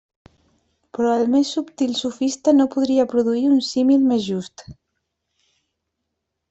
Però el més subtil sofista no podria produir un símil més just.